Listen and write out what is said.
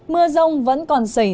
mưa rông vẫn còn tốt dần